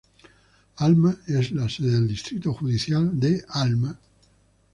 Alma es la sede del distrito judicial de Alma.